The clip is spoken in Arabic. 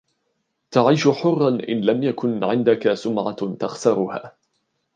تعيش حرا إن لم يكن عندك سمعة تخسرها.